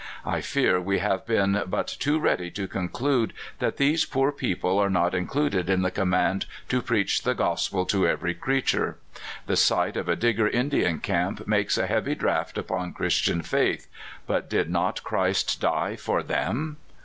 I fear we have been but too ready to conclude that these poor people are not included in the command to preach the gospel to every creature. The sight of a Digger Indian camp makes a heavy draft upon Christian faith — but did not Christ die for them